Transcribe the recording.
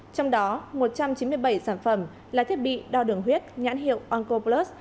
trong đó một trăm chín mươi bảy sản phẩm là thiết bị đo đường huyết nhãn hiệu aunco plus